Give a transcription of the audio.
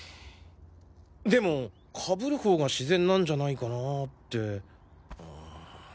でもカブるほうが自然なんじゃないかなあってうん。